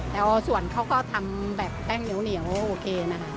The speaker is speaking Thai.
แต่ว่าส่วนเขาก็ทำแบบแป้งเหนียวโอเคนะคะ